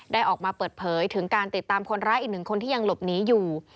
ออกมาเปิดเผยถึงการติดตามคนร้ายอีกหนึ่งคนที่ยังหลบหนีอยู่